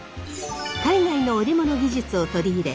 海外の織物技術を取り入れ